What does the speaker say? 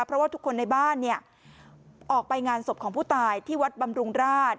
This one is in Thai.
เพราะว่าทุกคนในบ้านเนี่ยออกไปงานศพของผู้ตายที่วัดบำรุงราช